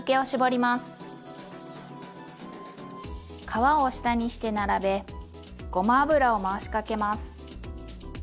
皮を下にして並べごま油を回しかけます。